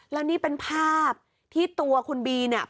แล้วนี่เป็นภาพที่ตัวคุณบีเนี่ย